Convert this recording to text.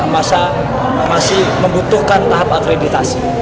masih membutuhkan tahap akreditasi